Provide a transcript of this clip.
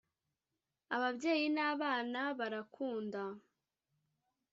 Ababyeyi n’abana barakunda